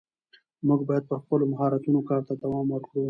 موږ باید پر خپلو مهارتونو کار ته دوام ورکړو